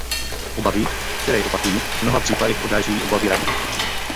Obavy, které, opakuji, v mnoha případech odrážejí obavy Rady.